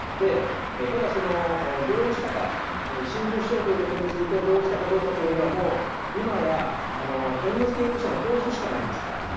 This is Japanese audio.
ただ、同意したか心中しようということについて同意したかどうかはもう、今や猿之助容疑者の供述しかないんです。